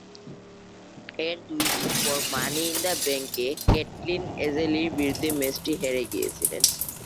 এর দুই দিন পর মানি ইন দ্য ব্যাংকে, ক্যাটলিন এজে লির বিরুদ্ধে ম্যাচটি হেরে গিয়েছিলেন।